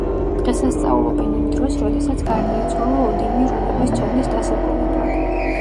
დღესასწაულობენ იმ დროს, როდესაც გარდაიცვალა ოდინი რუნების ცოდნის დასაბრუნებლად.